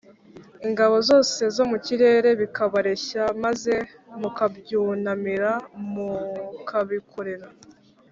ingabo zose zo mu kirere, bikabareshya maze mukabyunamira mukabikorera,